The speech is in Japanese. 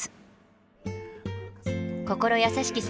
心優しき